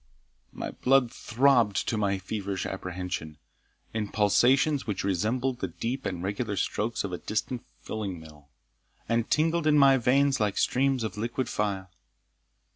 My blood throbbed, to my feverish apprehension, in pulsations which resembled the deep and regular strokes of a distant fulling mill, and tingled in my veins like streams of liquid fire.